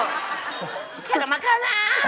เป็นวิวสตรัมส์คาล้าน